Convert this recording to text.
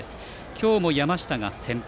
今日も山下が先発。